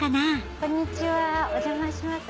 こんにちはお邪魔します。